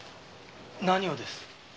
何をです？